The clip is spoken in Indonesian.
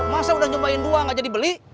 masa udah nyobain doang aja dibeli